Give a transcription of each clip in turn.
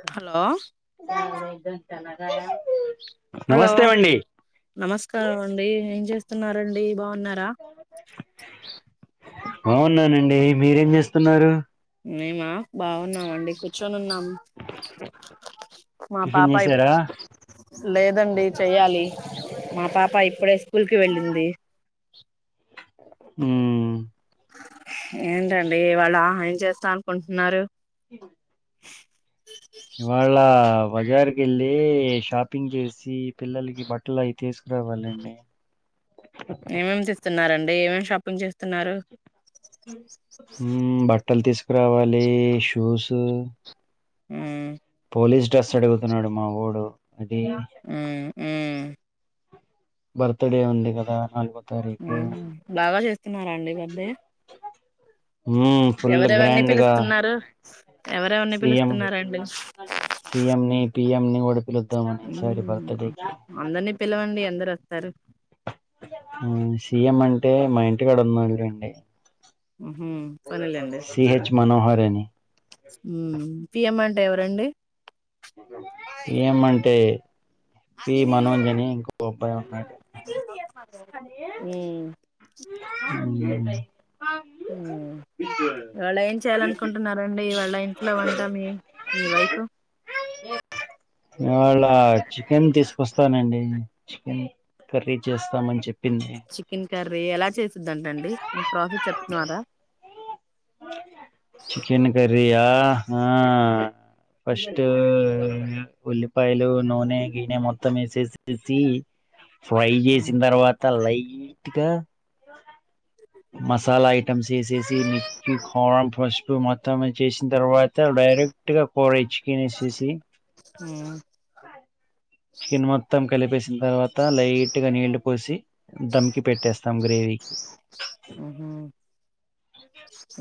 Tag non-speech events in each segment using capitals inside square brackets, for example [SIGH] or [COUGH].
కా hello sir exams ఎలాగా hello నమస్కారం అండి ఏం చేస్తున్నారండి బా బావున్నానండి మీరేం చేస్తున్నారు మేమా బాగున్నామండి కూర్చొని ఉన్నాము మా టిఫిన్ పాపా ఇప్ చేశారా లేదండి చెయ్యాలి మా పాప ఇప్పుడే స్కూల్ కి వెళ్ళింది ఊ ఏంటండి ఇవాళ్ళ ఏం చేస్తా అనుకుంటున్నారు ఇగొ అ బజార్ కెళ్ళి షాపింగ్ చేసి పిల్లలకి బట్టలు అవి తీసుకురావాలండి ఏమేమ్ తీస్తున్నరండి ఏమేం షాపింగ్ చేస్తున్నారు ఊ బట్టలు తీసుకురావాలి షూస్ మ్మ్ పోలీస్ డ్రస్ అడుగుతున్నాడు మా ఓడు అడి కా మ్మ్ మ్మ్ బర్త్ డే ఉంది కదా ఆన్ బ ఊ బాగా చేస్తున్నారా అండీ బర్డే మ్మ్, ఫుల్ ఎవరెవరిని గ్రాండ్ గా పిలుస్తున్నారు ఎవరెవరిని పిలుస్తున్నారండి సి ఏం ని, పి యం ని కూడా పిలుద్దామని ఈ సారి బర్త్ డే కి. అందరిని పిలవండి అందరు వస్తారు ఊ సి ఎం అంటే మా ఇంటి కడ ఉన్నాలెండి ఉహు సిహెచ్ మనోహరని ఊ పిఎం అంటే ఎవరండి పి ఏం అంటే పి అన్ని తిను మనోజ్ అని ఇంకో అబ్బాయి ఉన్నాడు ఊ అండ్లున్నయ్ ఊ ఇవాళ ఏం చేయ్యాలనుకుంటున్నారండి ఇవాళ్ళ ఇంట్లో వంట మీ మీ వైఫు ఇవాళ చికెన్ తీసుకొస్తానండి చికెన్ కర్రీ చేస్తామని చెప్పి చికెన్ కర్రీ ఎలా చేసుద్దంటండి ప్రాసస్ చెప్తున్నారా [INAUDIBLE] చికెన్ కర్రీ ఆ హా ఫస్ట్ ఉల్లిపాయలు నూనె గీనె మొత్తం వేసేసేసి ఫ్రై చేసిన తర్వాత లైట్గా మసాలాయి ట్టమ్స్ వేసేసి మీ కారం, పసుపు మొత్తం ఏ చేసింది. తర్వాత డైరెక్ట్ గా పోర ఇచ్చుకనేసేసి [INAUDIBLE] చికెన్ మొత్తం కలిపేసిన తర్వాత లైట్ గా నీళ్ళు పోసి దమ్కి పెట్టేస్తాం గ్రేవీకి. ఉహూ!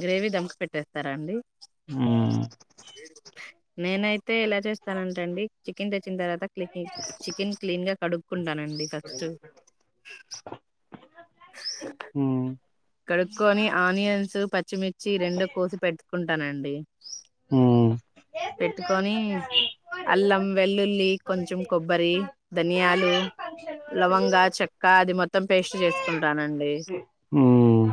గ్రేవీ దమ్ముకి పెట్టేస్తారా అండి? హ్మ్! నేనైతే, ఎలా చేస్తానంటేనండి చికెన్ తెచ్చిన తర్వాత చికెన్ క్లీన్ గా కడు కడుక్కుంటానండి ఫస్ట్ మ్! కడుక్కక్కొని ఆనియన్స్, పచ్చిమిర్చి రెండూ కోసి పెట్టుకుంటానండి. మ్! పెట్టుకొని అల్లం, వెల్లుల్లి కొంచెం కొబ్బరి. ధనియాలు లవంగా, చెక్క అది మొత్తం పేస్ట్ చేసుకుంటానండి. మ్మ్.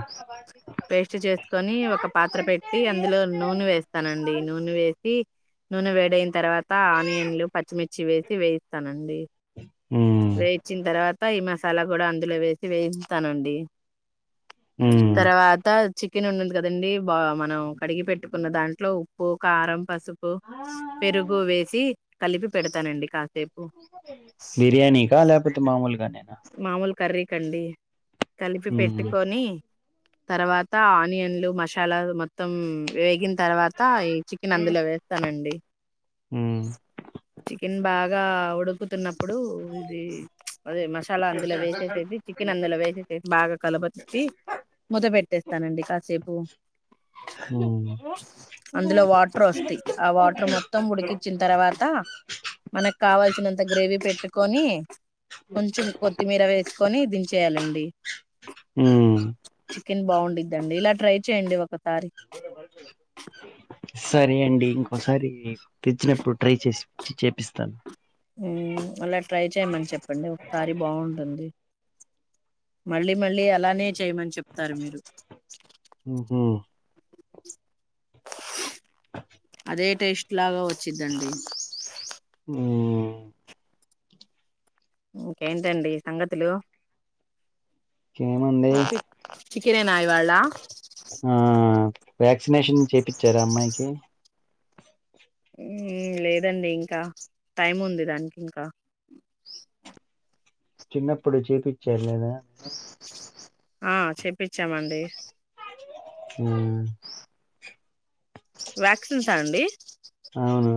పేస్ట్ చేసుకొని, ఒక పాత్ర పెట్టి అందులో నూనె వేస్తానండి. నూనె వేసి నూనె వేడైన తర్వాత ఆనియన్లు, పచ్చిమిర్చి వేసి వేయిస్తానండి. మ్మ్. వేయించిన తర్వాత, ఈ మసాలా కూడా అందులో వేసి వేయిస్తానండి. మ్మ్. తర్వాత చికెన్ ఉండుద్ది కదండి బాగా మనం కడిగి పెట్టు ఉన్న దాంట్లో ఉప్పు, కారం పసుపు, పెరుగు వేసి కలిపి పెడతానండి కాస్త బిర్యానీ కా కాక పోతే మామూలుగానా. మామూలు కర్రీ కండి కలిపి పెట్టుకొని తర్వాత ఆనియన్లు, మసాలా మొత్తం వేగిన తర్వాత ఈ చికెన్ అందులో వేస్తానండి. చికెన్ బాగా ఉడుకుతున్నప్పుడు ఇది. అదే మసాలా అందులో వేసేసేసి, చికెన్ అందులో వేసేసేసి బాగా కలబెట్టి. మూత పెట్టేస్తానండి కాసేపు. అందులో వాటర్ వస్తాయి. ఆ వాటర్ మొత్తం ఉడికించిన తర్వాత, మనకు కావాల్సినంత గ్రేవీ పెట్టు. కొని కొంచెం కొత్తిమీర వేసుకొని దించేయాలండి. హ్మ్! ఇది, బాగుండిద్దిఅండి ఇలా ట్రై చేయండి ఒక సరే అండి ఇంకోసారి. తెచ్చినప్పుడు ట్రై చేసి చేపిస్తాను. అలా ట్రై చేయమని చెప్పండి ఒకసారి బాగుంటుంది. మళ్ళీ మళ్ళీ అలానే చేయమని చెప్తారు మీరు. మ్మ్. [INAUDIBLE] లేటెస్ట్ లాగా వచ్చిందండి. హ్మ్! ఇంకేంటండి సంగతులు. ఏమండి! చికనేనా ఇవ్వాల. ఆ వ్యాక్సినేషన్ చేయించారా అమ్మాయికి. లేదండి ఇంకా టైం ఉంది దానికి ఇంకా. ఆ [INAUDIBLE] చిన్నప్పుడు చూపించ లేదా? ఆ చేపించామండి మ్మ్ వ్యాక్సిన్సా అండి అవును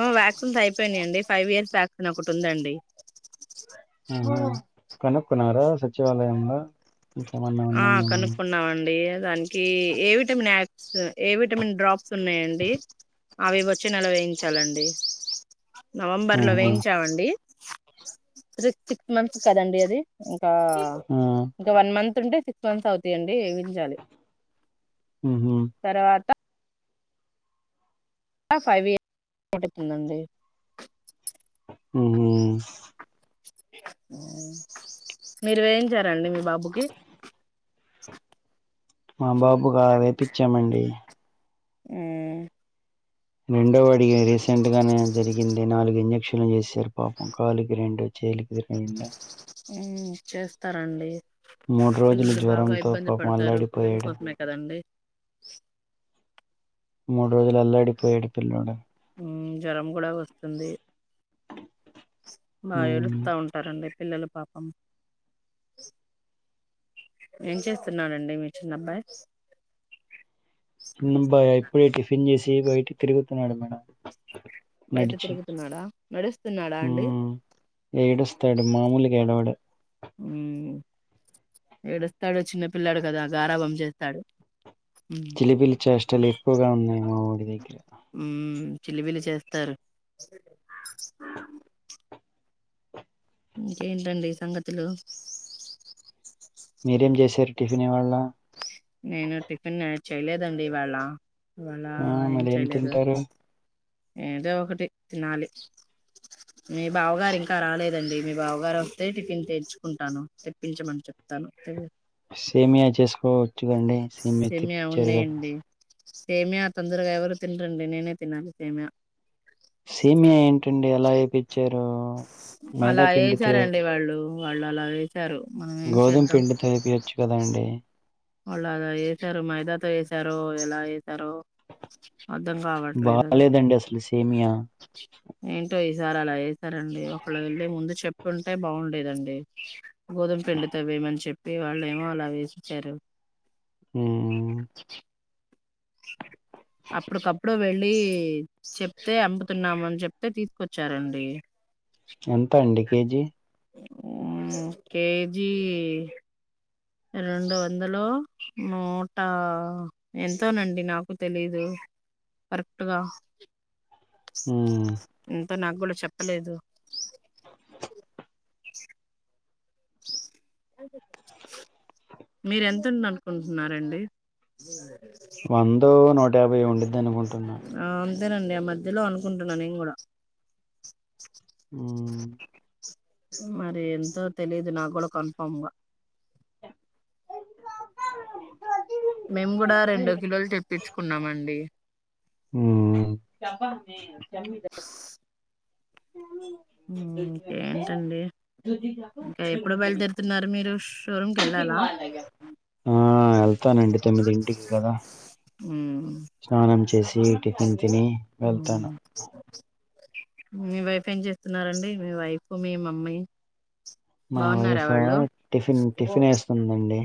ఓ వ్యాక్సిన్స్ అయిపోయినయ్ అండి ఫైవ్ ఇయర్స్ వ్యాక్ నొకటి ఉందండి ఆహ కనుకొన్నారా సచివాలయంలో ఇంకేమన్నా ఆ ఉన్నాయేమో అని కనుక్కున్నామండి దానికి ఏ విటమిన్ యాక్స్ ఏ విటమిన్ డ్రాప్స్ ఉన్నాయండి అవి వచ్చి నెల వేయించాలండి నవంబర్ లో ఆహా వేయించామండి సిక్ సిక్స్ మంత్స్ కదండి అది ఇంకా ఆ ఇంకా వన్ మంత్ ఉంటే సిక్స్ మంత్స్ అవుతాయండి చాలి మ్మ్ తర్వాత ఫైవ్ ఇయర్ పడుతుందండి ఊహూ మీరు వేయించారండి మీ బాబుకి [INAUDIBLE] మా బాబుగా వేపిచ్చామండి ఊమ్ రెండో అడిగా రీసెంట్ గానే జరిగింది నాలుగ్ ఇంజెక్షన్ చేసారు పాపం కాలుకి రెండు చేలికి రెండు ఉమ్ చేస్తారండి మూడు రోజులు పిల్లలు బాగా జ్వరంతో ఇబ్బంది పాపం పడతారు, పిల్లల అల్లాడిపోయాడు కోసమే కదండి మూడు రోజలు అల్లాడిపోయాడు పిల్లోడు ఉమ్ జ్వరం కూడా వస్తుంది అ [INAUDIBLE] బాగా ఏడుస్త ఉంటారండి పిల్లలు పాపం ఏం చేస్తున్నాడండి మీ చిన్నబ్బాయ్ చిన్నాబ్బాయా ఇప్పుడే టిఫిన్ చేసి బయట తిరుగుతున్నాడు మేడం బయట నడిచి తిరుగుతున్నాడా నడుస్తున్నాడా అండి మ్మ్ ఏడుస్తాడు మామూలుగా ఏడవడు ఉమ్ ఏడుస్తాడు చిన్న పిల్లాడు కదా గారాబం చేస్తాడు ఉమ్ చిలిబిలి చేష్టాలు ఎక్కువగా ఉన్నాయి మా వోడి దగ్గర ఉమ్ చిలిబిలి చేస్తారు ఇంకేంటండి సంగతులు మీరేం చేసారు టిఫిన్ ఇవాళ్ళ నేను టిఫిన్ చేయలేదండి ఇవాళ, ఇవాళ ఆ ఏం మరి చేయలేదు తింటారు ఏదో ఒకటి తినాలి, మీ బావగారు సే- ఇంకా రాలేదండి మీ బావగారు వస్తే టిఫిన్ తెచ్చుకుంటాను తెప్పించమని చెప్తాను సేమియా చేసుకోవచ్చుకండి సేమియా తెప్పిచ్చారు కదా సేమియ తొందరగా ఎవరు తిన్రండి నేనే తినాలి సేమియ సేమియా ఏంటండి ఎలా ఏపిచ్చారు మైదా పిండితో వాళ్ళలా వేస్ గోధుమ పిండితో ఏపియోచ్చు కదా అండి అలాగా ఏసారు మైదాతో ఏసారో ఎలా సారో అర్ధం కావట్లేదు అది, బాగాలేదండి అసలు సేమియా ఏంటో ఇ ఈసారి అలా చేసారండి ఒకళ వెళ్ళె ముందు చెప్పుంటే బాగుండేదండి గోధుమ పిండితో వేయమని చెప్పి వాళ్ళేమో అలా వేసిచ్చారు ఉఊమ్ [INAUDIBLE] అప్పుడికప్పుడు వెళ్ళి చెప్తే అమ్ముతున్నామని చెప్తే తీసుకొచ్చారండి ఎంత అండి కేజీ ఆ కేజీ రెండు వందలు నూట ఎంతోనండి నాకు తెలీదు. కరెక్ట్గా మ్మ్. ఇంక నాకు కూడా చెప్పలేదు. [INAUDIBLE] ఎ మీరు ఎంత ఉందనుకుంటున్నారండి? వందో నూట యాభైయో ఉండిద్దనుకుంటున్నా ఆ అంతేనండి ఆ మధ్యలో అనుకుంటున్నా నేం కూడా. ఉమ్ మరి ఎంతో తెలిదు నా కూడా కన్ఫామ్ గా [INAUDIBLE] మేము కూడా రెండో కిలోలు తెప్పించుకున్నామండి. ఉమ్ ఇంకెంతండి? ఇంకా ఎప్పుడు బయలుదేరుతున్నారు మీరు? షోరూమ్ కెళ్ళాలా? ఆ వెళ్తానండి తొమ్మిదింటికి కదా. ఉమ్. స్నానం చేసి టిఫిన్ తిని ఉమ్. వెళ్తాను. మీ వైఫ్ ఏం చేస్తున్నారండి, మీ వైఫ్ మీ మమ్మీ? మా బాగున్నారా వైఫ్ వాళ్ళు టిఫిన్ టిఫిన్ ఏస్తుందండి.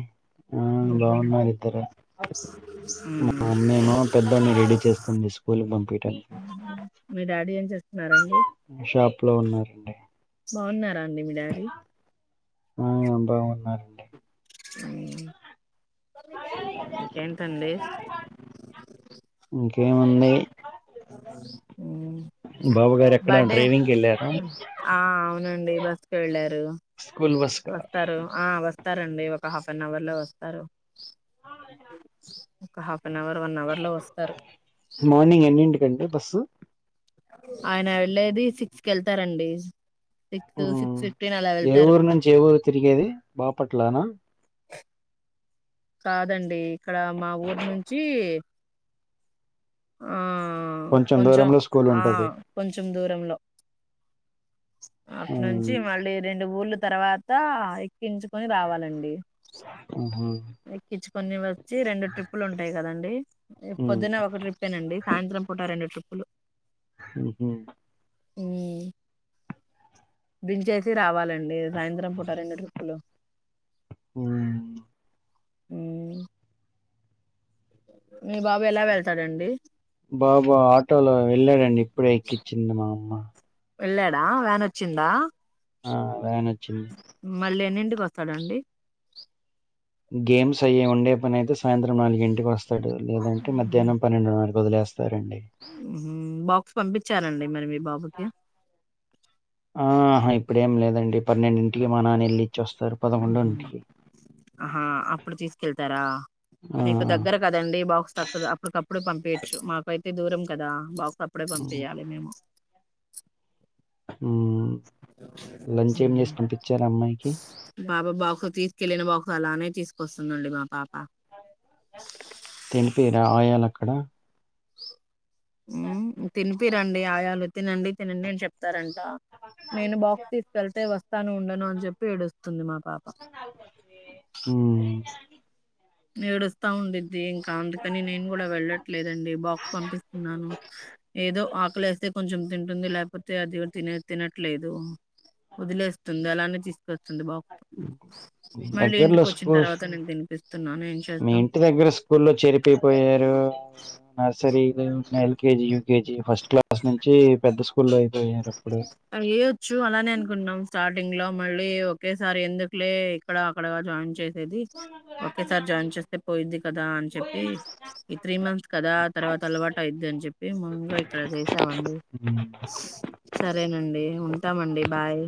ఆ ఉహు. బాగున్నారిద్దరు మా ఉమ్. అమ్మేమో పెద్దోడిని రెడీ చేస్తుంది, స్కూల్ కి పంపీడానికి. మీ డాడీ ఏం చేస్తున్నారండి? తప్పు లో ఉన్నారండి. బాగున్నారా అండి మీ డాడీ? ఆ బావున్నారండి. ఏంటండి? ఏముంది ఉమ్ బర్డే డ్రైవింగ్‌కెళ్లారా? ఆ అవునండి బస్కే వెళ్ళారు. స్కూల్ బస్‌కా? వస్తారు ఆ వస్తారండి, ఒక హాఫ్ అన్ అవర్ లో వస్తారు. Half an hour, one hour లో వస్తారు. మార్నింగ్ ఎన్నింటికండి బస్సు? ఆయన వెళ్ళేది సిక్స్ కెళ్తారండి. ఉమ్ ఏ ఊరు నుంచి ఏ ఊరు తిరిగేది బాపట్లానా? కాదండి ఇక్కడ మా ఊరు నుంచి ఆ కొంచెం దూరంలో ఆ స్కూలుంటది. కొంచెం దూరంలో. అట్నుంచి ఆహా! మళ్ళీ రెండు ఊళ్ళు తర్వాత ఎక్కించుకొని రావాలండి. ఎక్కించుకొని వచ్చి రెండు ట్రిప్పులు ఉంటాయి కదండి, హ్మ్. పొద్దున ఒక ట్రిప్పేనండి సాయంత్రం పూట రెండు ట్రిప్పులు. ఉహు ఉమ్ దించేసి రావాలండి సాయంత్రం పూట రెండు ట్రిప్పులు. ఉమ్ ఉమ్ వెలా వెళ్తాడండి? బాబా ఆటోలో వెళ్ళాడండి, ఇప్పుడే ఎక్కించింది మా అమ్మ. వెళ్ళాడా వ్యాన్ వచ్చిందా? ఆ వ్యాన్ వచ్చింది మళ్ళీ ఎన్నింటికి వస్తాడండి గేమ్స్ అయ్యే ఉండే పని అయితే సాయంత్రం నాలుగు ఇంటికి వస్తాడు లేదంటే మధ్యాహ్నం పన్నెండు నాలుకు వదిలేస్తారండి ఉమ్ బాక్స్ పంపించారా అండి మరి మీ బాబుకి ఆహా ఇప్పుడేమ్ లేదండి పన్నెండిటికి ఇగ మా నాన్న వెళ్ళి ఇచ్చొస్తారు పదకొండుంటికి ఆహా అప్పుడు తీసుకెళ్తారా ఆ! మీకు దగ్గర కదండి బాక్స్ తక్క అప్పుడుకప్పుడు పంపి యచ్చు మాకైతే దూరం కదా బాక్స్ అప్పుడే హ్మ్. పంపీయాలి మేము ఉమ్ ఉహూ అమ్మాయికి? బాబు బాక్స్ తీసుకెళ్ళిన బాక్స్ అలానే తీసు కొస్తుందండి మా పాప తినిపియరా ఆయాలక్కడ? ఉమ్ తినిపియ్యరండి ఆయాలు తినండి తినండి అని చెప్తారంట నేను బాక్స్ తీసుకెళ్తే వస్తాను ఉండను అని చెప్పి ఏడుస్తుంది మా పాప హ్మ్. ఏడుస్తా ఉండి ద్ది ఇంకా అందుకని నేను కూడా వెళ్ళట్లేదండి బాక్స్ పంపిస్తున్నాను ఏదో ఆకలి వేస్తే కొంచెం తింటుంది లేకపోతే అది తినే తినట్లేదు వదిలేస్తుంది అలానే స్తుంది బాక్స్ మళ్ళీ దగ్గరలో ఇంటికి వచ్చిన స్కూ తర్వాత నేను తినిపిస్త మీ ఇంటి దగ్గర స్కూల్లో చేరిపీకపోయారు నర్సరీ ఉ ఎల్కేజీ యూకేజీ ఫస్ట్ క్లాస్ నుంచి పెద్ద స్కూల్ వేయచ్చు అలానే అనుకుంటున్నాం స్టార్టింగ్ లో మళ్ళీ ఒకేసారి ఎందుకులే ఇక్కడ అక్కడగా జాయిన్ చేసి ఒకే సారీ జాయిన్ చేస్తే పోయిద్ది కదా అని చెప్పి ఈ త్రీ మంత్స్ కదా తర్వాత అలవాటు అయిద్ది అని చెప్పి ముందుగా ఇక్కడ చేసామండి ఉమ్, అదేనండి ఉంటామండి బాయ్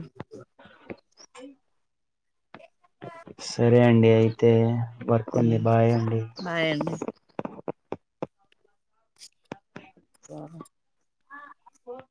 సరే అండి అయితే వర్క్ ఉంది హ్మ్. బాయ్ అండి బాయ్ అండి వాహా ఆ